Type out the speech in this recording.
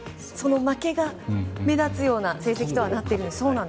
負けが目立つような成績とはなっているんです。